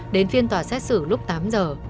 đến phiên tòa xét xử lúc tám giờ